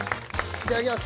いただきます。